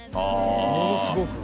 ものすごくあ